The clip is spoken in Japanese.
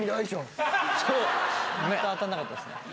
当たんなかったっすね。